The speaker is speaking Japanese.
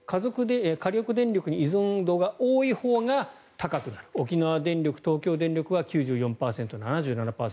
火力電力に依存度が多いほうが高くなる沖縄電力、東京電力は９４％、７７％